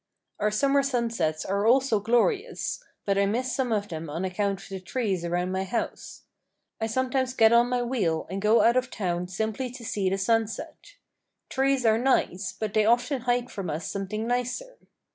Our summer sunsets are also glorious, but I miss some of them on account of the trees around my house. I sometimes get on my wheel and go out of town simply to see the sunset. Trees are nice, but they often hide from us something nicer.